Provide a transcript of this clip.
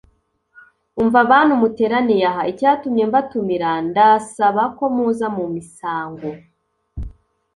“Umva bantu muteraniye aha; icyatumye mbatumira, ndasaba ko muza mumisango